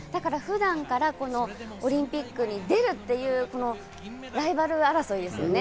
ですから普段からオリンピックに出るというライバル争いですね。